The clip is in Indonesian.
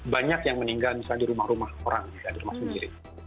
banyak yang meninggal misalnya di rumah rumah orang di rumah sendiri